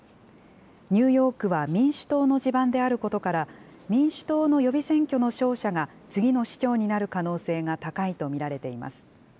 ニューヨークは民主党の地盤であることから、民主党の予備選挙の勝者が、次の市長になる可能性が高いと見られています。